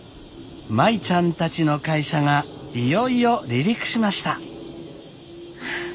舞ちゃんたちの会社がいよいよ離陸しました。